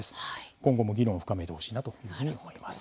今後も議論を深めてほしいなというふうに思います。